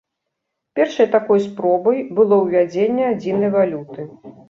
Першай такой спробай было ўвядзенне адзінай валюты.